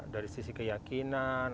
dari sisi keyakinan